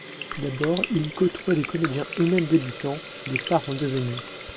D’abord, il y côtoie des comédiens eux-mêmes débutants, des stars en devenir.